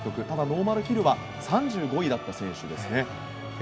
ただ、ノーマルヒルは３５位だった選手です。